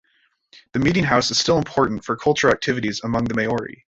The meeting house is still important for cultural activities among the Maori.